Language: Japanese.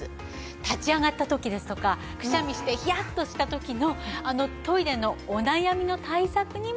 立ち上がった時ですとかくしゃみしてヒヤッとした時のあのトイレのお悩みの対策にもなるんです。